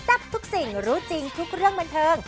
ทับทุกสิ่งรู้จริงทุกเรื่องบันเทิง